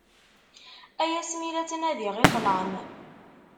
Ay ass mi la ttnadiɣ i ṭṭlam.